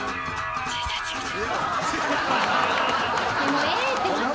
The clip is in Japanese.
もうええって。